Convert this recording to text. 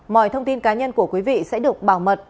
mọi thông tin cá nhân của quý vị sẽ được bảo mật